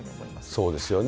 そうですよね。